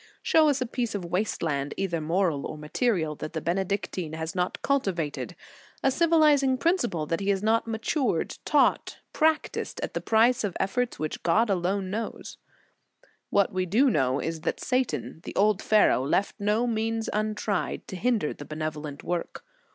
Show us a piece of waste land, either moral or material, that the Benedic tine has not cultivated; a civilizing principle that he has not matured, taught, practised, at the price of efforts which God alone knows. Sophron., in Prat. spir. 16* 1 86 The Sign of the Cross What we do know is that Satan, the old Pharaoh, left no means untried to hinder the benevolent work.